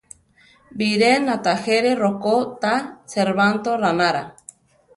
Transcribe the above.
Biré natagere rokó ta, Serbanto ránara.